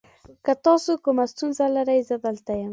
که تاسو کومه ستونزه لرئ، زه دلته یم.